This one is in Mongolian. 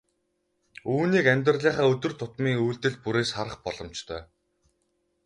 Үүнийг амьдралынхаа өдөр тутмын үйлдэл бүрээс харах боломжтой.